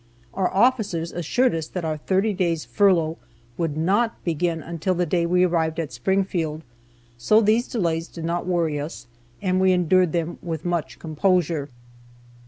Our officers assured us that our thirty days furlough would not begin until the day we arrived at Springfield, so these delays did not worry us, and we endured them with much composure.